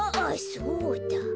そうだ！